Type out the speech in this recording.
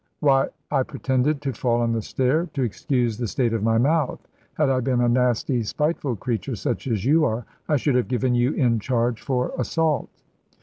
Why, I pretended to fall on the stair to excuse the state of my mouth. Had I been a nasty, spiteful creature such as you are, I should have given you in charge for assault."